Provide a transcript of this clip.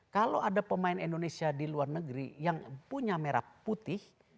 kalau ada pemain indonesia di luar negeri yang punya merah putih